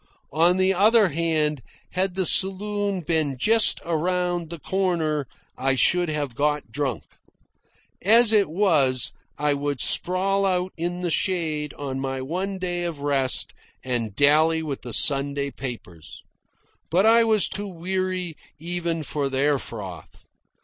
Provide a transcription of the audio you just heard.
On the other hand, had the saloon been just around the corner, I should have got drunk. As it was, I would sprawl out in the shade on my one day of rest and dally with the Sunday papers. But I was too weary even for their froth.